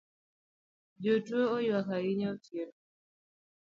Jatuo oyuak ahinya otieno